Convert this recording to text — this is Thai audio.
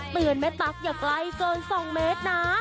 เตือนแม่ตั๊กอย่าไกลเกินสองเมตรนะ